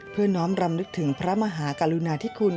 เพื่อน้องรำนึกถึงพระมหากลุณาธิคุณ